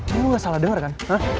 lo gak salah denger kan